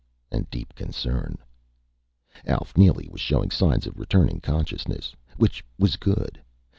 And deep concern. Alf Neely was showing signs of returning consciousness. Which was good.